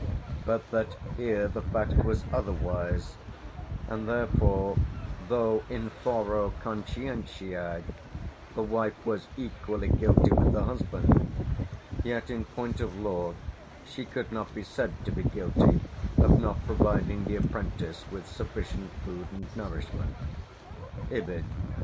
But that here the fact was otherwise; and therefore, though in foro conscientiæ the wife was equally guilty with the husband, yet in point of law she could not be said to be guilty of not providing the apprentice with sufficient food and nourishment" (Ibid.